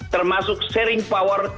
termasuk sharing power